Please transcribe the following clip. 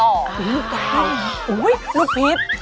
โอ้ยลูกผิด